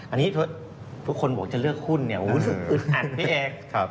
อันนี้ทุกคนบอกจะเลือกหุ้นอุดอัดพี่เอก